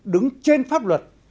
đứng trên pháp luật